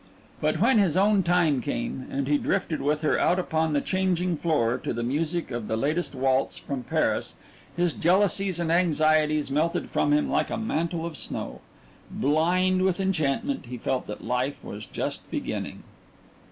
But when his own time came, and he drifted with her out upon the changing floor to the music of the latest waltz from Paris, his jealousies and anxieties melted from him like a mantle of snow. Blind with enchantment, he felt that life was just beginning.